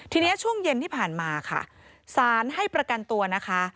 ทีนี้ช่วงเย็นที่ผ่านมาค่ะสารให้ประกันตัวนะคะ